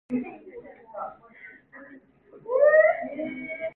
出面落狗屎